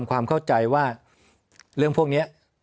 ว่าเรื่องพวกนี้